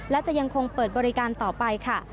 และจะยังคงเปิดบริการต่อไปค่ะ